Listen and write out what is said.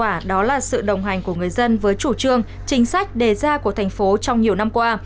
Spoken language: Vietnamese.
kết quả đó là sự đồng hành của người dân với chủ trương chính sách đề ra của thành phố trong nhiều năm qua